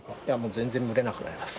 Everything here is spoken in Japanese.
全然蒸れなくなります。